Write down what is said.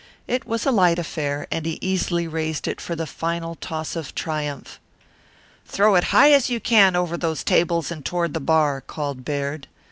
It was a light affair, and he easily raised it for the final toss of triumph. "Throw it high as you can over those tables and toward the bar," called Baird.